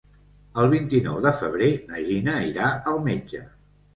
El vint-i-nou de febrer na Gina irà al metge.